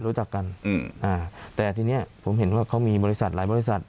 รู้จักกันอืมอ่าแต่ทีเนี้ยผมเห็นว่าเขามีบริษัทหลายบริษัท